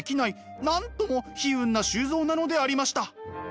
なんとも悲運な周造なのでありました。